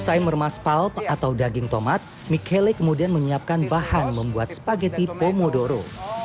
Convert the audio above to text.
setelah mengemaskan palp atau daging tomat michele kemudian menyiapkan bahan untuk membuat spaghetti pomodoro